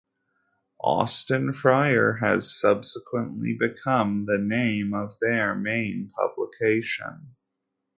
Austin Friar has subsequently become the name of their main publication.